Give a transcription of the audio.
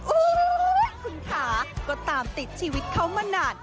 โอ้โหคุณค่ะก็ตามติดชีวิตเขามานาน